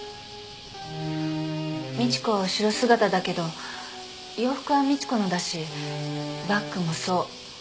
美知子は後ろ姿だけど洋服は美知子のだしバッグもそう。